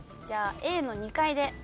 じゃあＡの２階で。